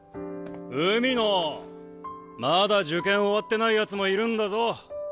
・海野まだ受験終わってないヤツもいるんだぞ。